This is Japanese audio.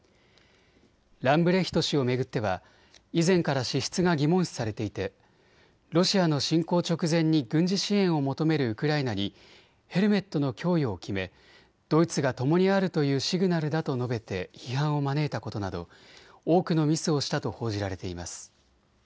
ランブレヒト氏を巡っては以前から資質が疑問視されていてロシアの侵攻直前に軍事支援を求めるウクライナにヘルメットの供与を決めドイツがともにあるというシグナルだと述べて批判を招いたことなど多くのミスをしたと報じられています。